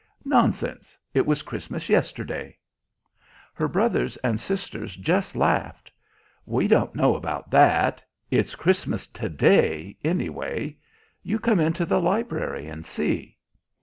"Nonsense! It was Christmas yesterday." Her brothers and sisters just laughed. "We don't know about that. It's Christmas to day, anyway. You come into the library and see."